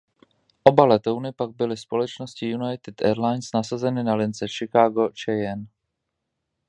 Oba letouny pak byly společností United Air Lines nasazeny na lince Chicago–Cheyenne.